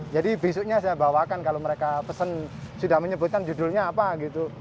besoknya saya bawakan kalau mereka pesen sudah menyebutkan judulnya apa gitu